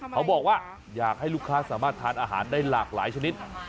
เขาบอกว่าอยากให้ลูกค้าสามารถทานอาหารได้หลากหลายชนิด